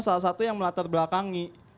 salah satu yang melatar belakangi